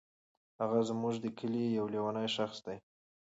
هغه زمونږ دي کلې یو لیونی شخص دی.